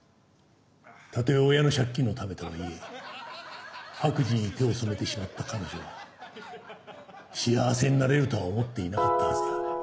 たとえ親の借金のためとはいえ悪事に手を染めてしまった彼女は幸せになれるとは思っていなかったはずだ。